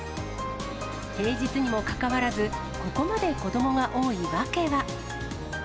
平日にもかかわらず、ここまで子どもが多い訳は。